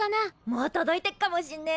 もう届いてっかもしんねえな。